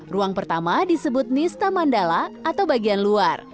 ruang pertama disebut nista mandala atau bagian luar